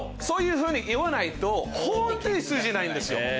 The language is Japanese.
そういうふうに言わないと本当に通じないんですよ。